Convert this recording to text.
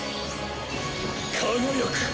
輝く！